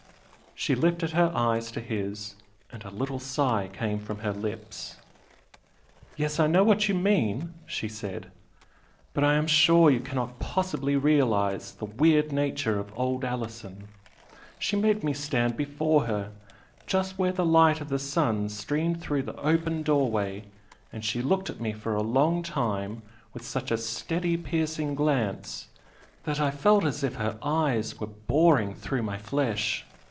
She lifted her eyes to his, and a little sigh came from her lips. "Yes, I know what you mean!" she said "But I am sure you cannot possibly realise the weird nature of old Alison! She made me stand before her, just where the light of the sun streamed through the open doorway, and she looked at me for a long time with such a steady piercing glance that I felt as if her eyes were boring through my flesh.